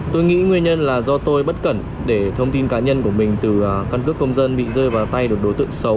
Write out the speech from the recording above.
tôi nghĩ nguyên nhân là do tôi bất cẩn để thông tin cá nhân của mình từ căn cước công dân bị rơi vào tay được đối tượng xấu